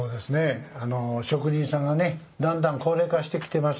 職人さんがどんどん高齢化してきてます。